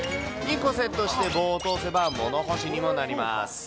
２個セットして棒を通せば、物干しにもなります。